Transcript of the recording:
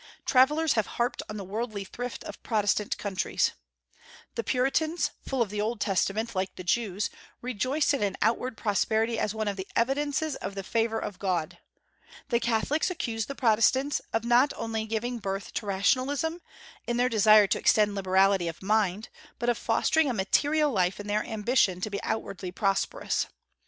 Travellers have harped on the worldly thrift of Protestant countries. The Puritans, full of the Old Testament, like the Jews, rejoiced in an outward prosperity as one of the evidences of the favor of God. The Catholics accuse the Protestants, of not only giving birth to rationalism, in their desire to extend liberality of mind, but of fostering a material life in their ambition to be outwardly prosperous.